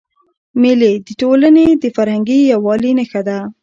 مېلې د ټولني د فرهنګي یووالي نخښه ده.